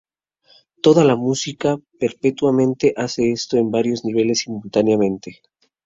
Toda la música perpetuamente hace esto en varios niveles simultáneamente.